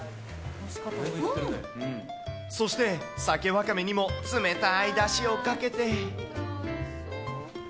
そして、さけわかめにも冷たいだしをかけて。